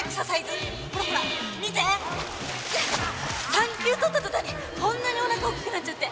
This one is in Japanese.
産休取った途端にこんなにおなか大きくなっちゃって。